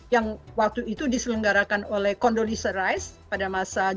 yang waktu itu diselenggarakan oleh condoleezza rice pada masa george bush